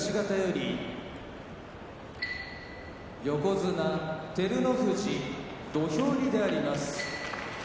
東方より横綱照ノ富士土俵入りであります。